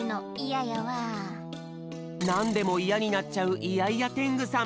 なんでもイヤになっちゃうイヤイヤテングさん。